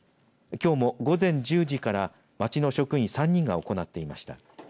きょうも午前１０時から町の職員３人が行っていました。